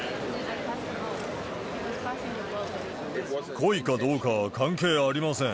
故意かどうかは関係ありません。